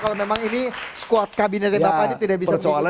kalau memang ini squad kabinetnya bapak ini tidak bisa menjadi